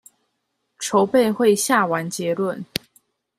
籌備會下完結論